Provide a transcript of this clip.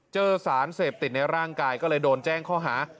เจอสารเสพติดในร่างกายก็เลยโดนแจ้งข้อหา